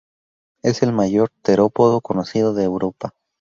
Es el mayor terópodo conocido de Europa.